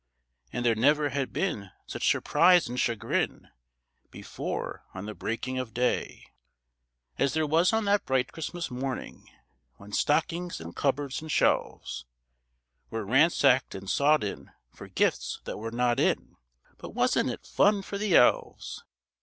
And there never had been such surprise and chagrin Before on the breaking of day, As there was on that bright Christmas morning When stockings, and cupboards, and shelves Were ransacked and sought in, for gifts that were not in But wasn't it fun for the elves!